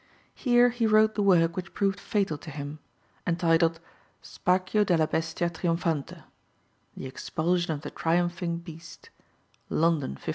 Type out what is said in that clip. Here he wrote the work which proved fatal to him, entitled Spaccio della bestia triomphante (The expulsion of the triumphing beast) (London, 1584).